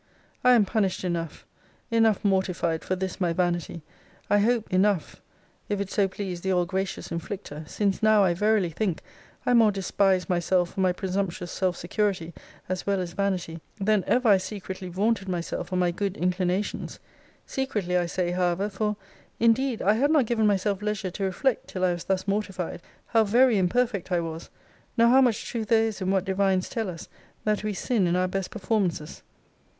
I am punished enough, enough mortified, for this my vanity I hope, enough, if it so please the all gracious inflictor: since now, I verily think, I more despise myself for my presumptuous self security, as well as vanity, than ever I secretly vaunted myself on my good inclinations: secretly, I say, however; for, indeed, I had not given myself leisure to reflect, till I was thus mortified, how very imperfect I was; nor how much truth there is in what divines tell us, that we sin in our best performances.